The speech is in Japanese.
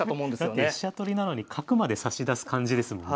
だって飛車取りなのに角まで差し出す感じですもんね。